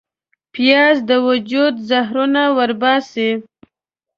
پیاز د وجود زهرونه وباسي